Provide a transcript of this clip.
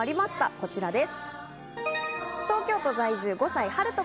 こちらです。